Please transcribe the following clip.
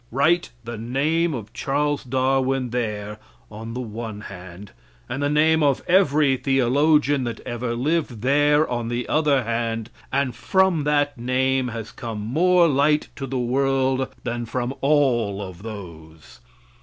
Write the name of Charles Darwin there (on the one hand) and the name of every theologian that ever lived there (on the other hand), and from that name has come more light to the world than from all those.